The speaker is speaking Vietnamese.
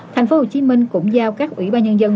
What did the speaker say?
tp hcm cũng giao các ủy ba nhân dân